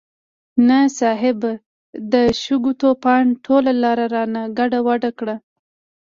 نه صيب، د شګو طوفان ټوله لاره رانه ګډوډه کړه.